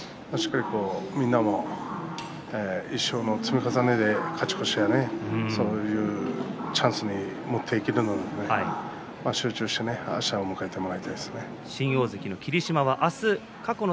みんな１勝の積み重ねで勝ち越しそういうチャンスに持っていけるので集中して、あしたを迎えてもらいたいと思います。